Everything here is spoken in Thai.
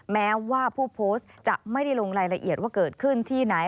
แม้ว่าผู้โพสต์จะไม่ได้ลงรายละเอียดว่าเกิดขึ้นที่ไหน